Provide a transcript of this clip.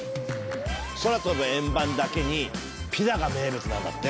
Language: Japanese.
空飛ぶ円盤だけにピザが名物なんだって。